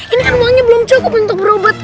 ini kan uangnya belum cukup untuk berobat